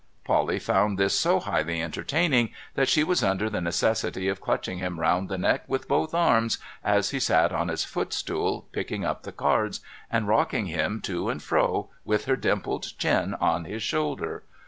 Polly found this so highly entertaining that she was under the necessity of clutching him round the neck with both arms as he sat on his footstool i)icking up the cards, and rocking him to and fro, with her dimpled chin on his shoulder.